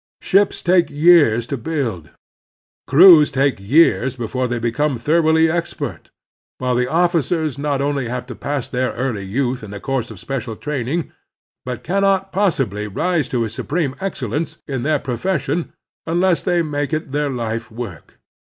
Ships take years to build, crews take years before they become thoroughly expert, while the officers not only have to pass their early youth in a course of special training, but cannot possibly rise to supreme excellence in Admiral Dewey 193 their profession tinless they make it their life work.